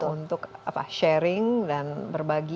untuk sharing dan berbagi